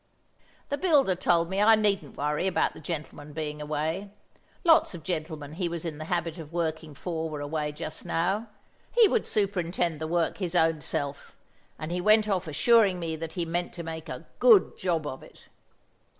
The builder told me I needn't worry about the gentleman being away; lots of gentlemen he was in the habit of working for were away just now; he would superintend the work his own self, and he went off assuring me that he meant to make a good job of it.